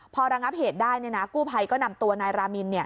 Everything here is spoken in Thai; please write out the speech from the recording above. พอระงับเหตุได้กู้ภัยก็นำตัวนายรามิน